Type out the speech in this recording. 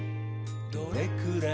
「どれくらい？